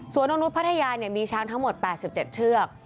นกนุษย์พัทยามีช้างทั้งหมด๘๗เชือก